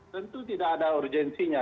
tentu tidak ada urgensinya